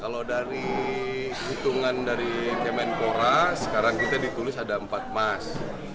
kalau dari hitungan dari kemenpora sekarang kita ditulis ada empat mas